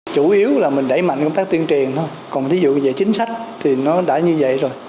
chủ yếu là mình đẩy mạnh công tác tuyên truyền thôi còn ví dụ về chính sách thì nó đã như vậy rồi